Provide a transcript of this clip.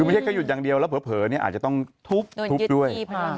อยู่ประเทศก็หยุดอย่างเดียวแล้วเผลออาจจะต้องทุบด้วย